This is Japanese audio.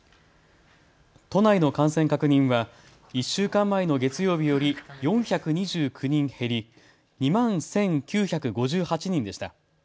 都内の感染確認は１週間前の月曜日より４２９人減り２万１９５８人でした。